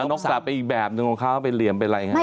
น้องสับอีกแบบของเค้าจะไปเหลี่ยมไปอะไรอย่างนี้